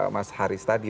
mas haris tadi